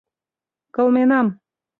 Кылменам.